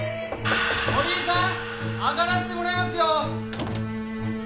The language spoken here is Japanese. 鳥居さん上がらせてもらいますよ。